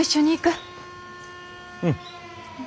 うん。